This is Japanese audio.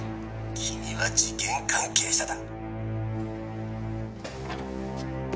君は事件関係者だ」